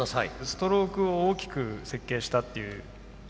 ストロークを大きく設計したっていうところですね。